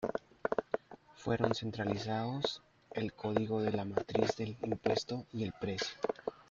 Fueron centralizados el código de la matriz del impuesto y el precio.